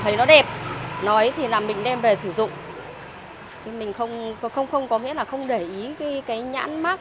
thấy nó đẹp nói thì là mình đem về sử dụng nhưng mình không có nghĩa là không để ý cái nhãn mát